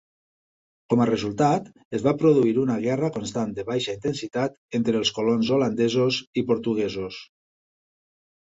Com a resultat, es va produir una guerra constant de baixa intensitat entre els colons holandesos i portuguesos.